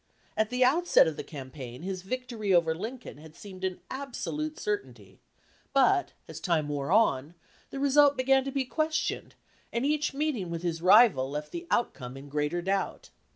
At the outset of the campaign his vic tory over Lincoln had seemed an absolute cer tainty, but, as time wore on, the result began to be questioned, and each meeting with his rival left the outcome in greater doubt.